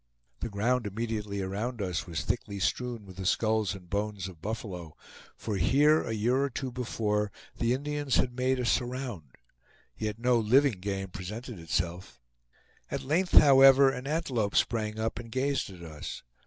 The ground immediately around us was thickly strewn with the skulls and bones of buffalo, for here a year or two before the Indians had made a "surround"; yet no living game presented itself. At length, however, an antelope sprang up and gazed at us.